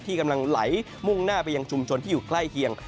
กำลังไหลมุ่งหน้าไปยังชุมชนที่อยู่ใกล้เคียง